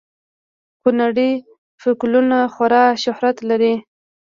کونړي فکولونه خورا شهرت لري